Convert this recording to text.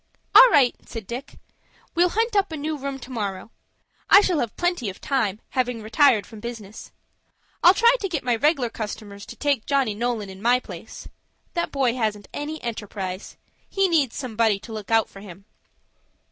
"All right," said Dick. "We'll hunt up a new room to morrow. I shall have plenty of time, having retired from business. I'll try to get my reg'lar customers to take Johnny Nolan in my place. That boy hasn't any enterprise. He needs some body to look out for him."